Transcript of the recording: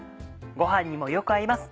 ご飯にもよく合います